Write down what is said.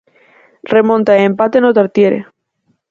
Remonta e empate no Tartiere.